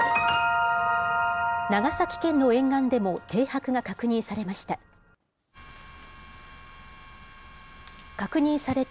長崎県の沿岸でも停泊が確認されました。